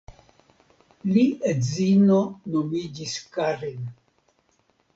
Li edzino nomiĝis Karin.